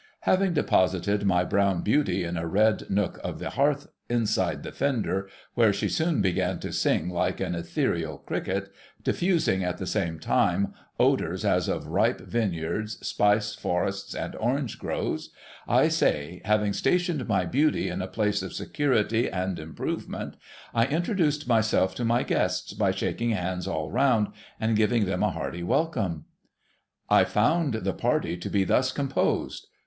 Having deposited my brown beauty in a red nook of the hearth, inside the fender, where she soon began to sing like an ethereal cricket, diffusing at the same time odours as of ripe vineyards, spice forests, and orange groves, — I say, having stationed my beauty in a place of security and improve ment, I introduced myself to my guests by shaking hands all round, and giving them a hearty welcome. I found the party to be thus composed.